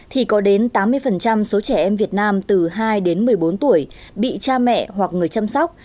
thì có đến tám mươi số trẻ em việt nam từ hai đến một mươi bốn tuổi bị cha mẹ hoặc người chăm sóc